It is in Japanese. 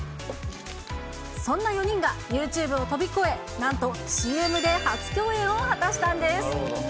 そんな４人が、ユーチューブを飛び越え、なんとＣＭで初共演を果たしたんです。